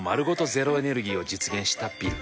ゼロエネルギーを実現したビル。